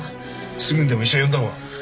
すぐにでも医者呼んだ方が。